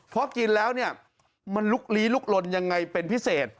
เพราะกินแล้วเนี่ยมันลุกลี้ลุกลนยังไงเป็นพิเศษ